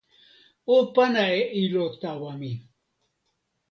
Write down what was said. o pana e ilo tawa mi